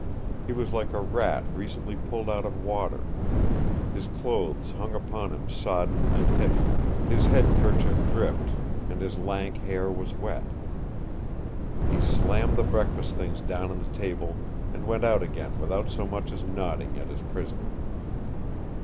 He was like a rat recently pulled out of water. His clothes hung upon him sodden and heavy, his head kerchief dripped, and his lank hair was wet. He slammed the breakfast things down on the table and went out again without so much as nodding at his prisoner.